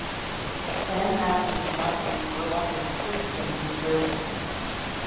Ann Matthews Martin grew up in Princeton, New Jersey.